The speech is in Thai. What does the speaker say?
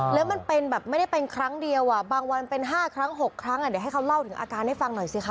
แล้วมันเป็นแบบไม่ได้เป็นครั้งเดียวอ่ะบางวันเป็น๕ครั้ง๖ครั้งเดี๋ยวให้เขาเล่าถึงอาการให้ฟังหน่อยสิคะ